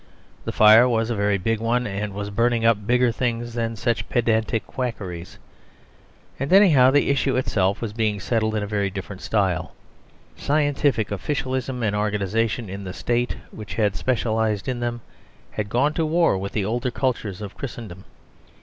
The fire was a very big one, and was burning up bigger things than such pedantic quackeries. And, anyhow, the issue itself was being settled in a very different style. Scientific officialism and organisation in the State which had specialised in them, had gone to war with the older culture of Christendom.